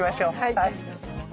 はい。